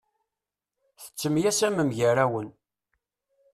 Tettemyasamem gar-awen.